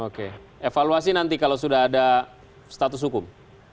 oke evaluasi nanti kalau sudah ada status hukum